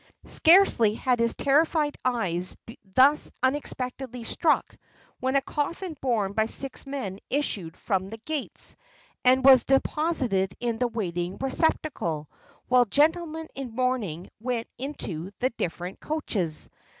Scarcely had his terrified eyes been thus unexpectedly struck, when a coffin borne by six men issued from the gates, and was deposited in the waiting receptacle; while gentlemen in mourning went into the different coaches.